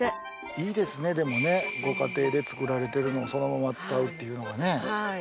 いいですねご家庭で作られてるのをそのまま使うっていうのはね。